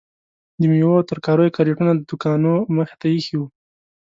د میوو او ترکاریو کریټونه د دوکانو مخې ته ایښي وو.